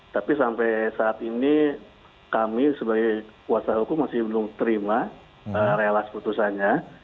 tapi sampai saat ini kami sebagai kuasa hukum masih belum terima realas putusannya